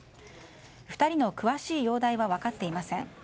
２人の詳しい容体は分かっていません。